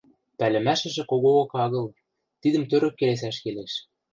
Пӓлӹмӓшӹжӹ когоок агыл, тидӹм тӧрӧк келесӓш келеш.